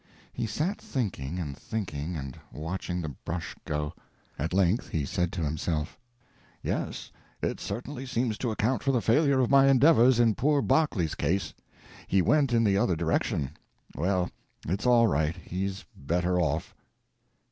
He sat thinking, and thinking, and watching the brush go. At length he said to himself, "Yes, it certainly seems to account for the failure of my endeavors in poor Berkeley's case. He went in the other direction. Well, it's all right. He's better off."